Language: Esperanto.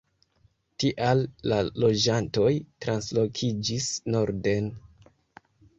Tial la loĝantoj translokiĝis norden.